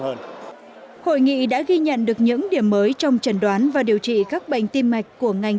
hội nghị đã ghi nhận được những điểm mới trong trần đoán và điều trị các bệnh tim mạch của ngành